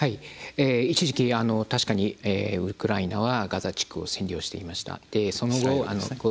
一時期、確かにガザ地区を占領していました。